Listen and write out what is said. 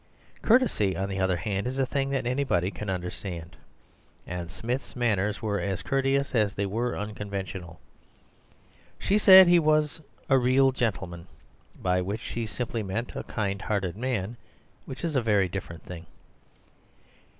Courtesy, on the other hand, is a thing that anybody can understand, and Smith's manners were as courteous as they were unconventional. She said he was "a real gentleman," by which she simply meant a kind hearted man, which is a very different thing.